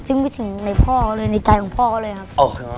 ซึ่งไม่ถึงในพ่อเลยในใจของพ่อเขาเลยครับ